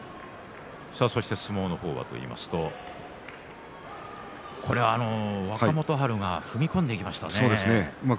相撲はといいますと若元春が踏み込んでいきましたね。